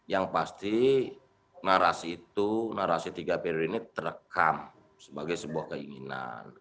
yang pasti narasi itu narasi tiga periode ini terekam sebagai sebuah keinginan